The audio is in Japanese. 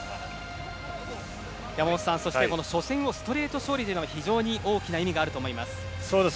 山本さん、そしてこの初戦をストレート勝利というのは非常に大きな意味があると思います。